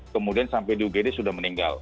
kemudian sampai di ugd sudah meninggal